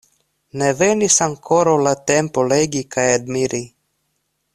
Ne venis ankoraŭ la tempo legi kaj admiri.